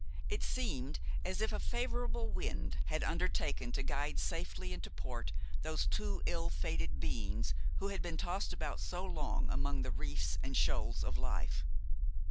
It seemed as if a favorable wind had undertaken to guide safely into port those two ill fated beings who had been tossed about so long among the reefs and shoals of life.